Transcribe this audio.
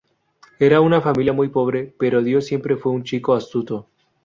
Eran una familia muy pobre, pero Dio siempre fue un chico astuto.